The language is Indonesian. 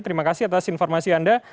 terima kasih atas informasi anda